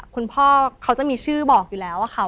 คุณพ่อเขาจะมีชื่อบอกอยู่แล้วค่ะ